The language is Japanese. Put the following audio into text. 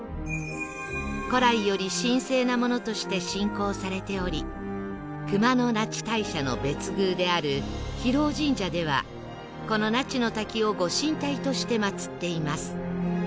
古来より神聖なものとして信仰されており熊野那智大社の別宮である飛瀧神社ではこの那智の滝をご神体として祭っています